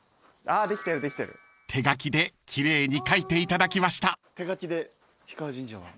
［手書きで奇麗に書いていただきました］